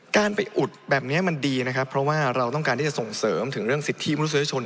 การไปอุดแบบนี้มันดีนะครับเพราะว่าเราต้องการที่จะส่งเสริมถึงเรื่องสิทธิมนุษยชน